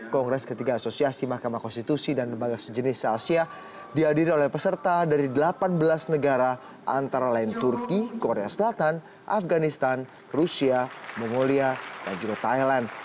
kongres ketiga asosiasi mahkamah konstitusi dan lembaga sejenis se asia dihadiri oleh peserta dari delapan belas negara antara lain turki korea selatan afganistan rusia mongolia dan juga thailand